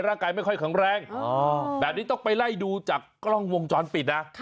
ร่างกายไม่ค่อยแข็งแรงแบบนี้ต้องไปไล่ดูจากกล้องวงจรปิดนะ